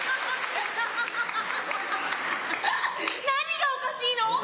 何がおかしいの？